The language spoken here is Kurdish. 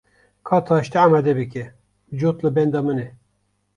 Ka taştê amade bike, cot li benda min e.